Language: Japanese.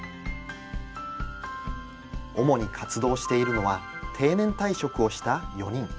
主に活動しているのは定年退職をした４人。